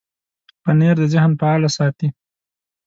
پنېر د ذهن فعاله ساتي.